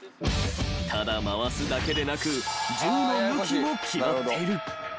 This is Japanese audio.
［ただ回すだけでなく銃の向きも決まっている］